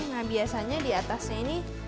nah biasanya di atasnya ini